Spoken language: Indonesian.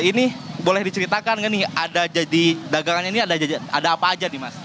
ini boleh diceritakan nggak nih ada jadi dagangannya ini ada apa aja nih mas